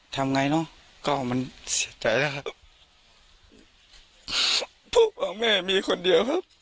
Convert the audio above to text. ทำไงเนอะก็มันเสียใจแล้วครับเพราะว่าแม่มีคนเดียวครับ